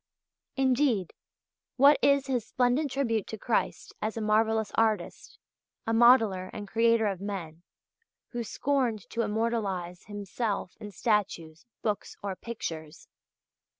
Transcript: Indeed, what is his splendid tribute to Christ as a marvellous artist, a modeller and creator of men, who scorned to immortalize himself in statues, books, or pictures (pages 65 _et seq.